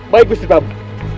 baik istri tamu